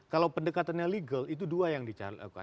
kalau pendekatannya legal itu dua yang dicarikan